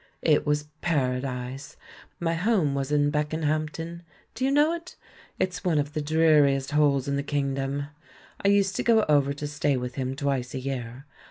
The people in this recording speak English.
It was Para dise! My home was in Beckenhampton. Do you know it? It's one of the dreariest holes in the kingdom. I used to go over to stay with him twice a year.